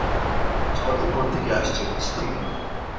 জল উপর থেকে আসছে, নিচ থেকে নয়।